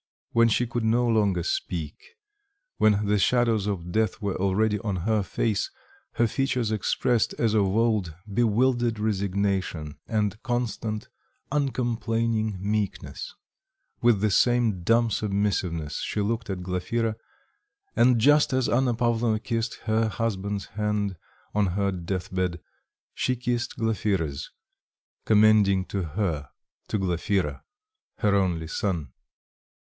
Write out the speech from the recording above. When she could no longer speak, when the shadows of death were already on her face, her features expressed, as of old, bewildered resignation and constant, uncomplaining meekness; with the same dumb submissiveness she looked at Glafira, and just as Anna Pavlovna kissed her husband's hand on her deathbed, she kissed Glafira's, commending to her, to Glafira, her only son.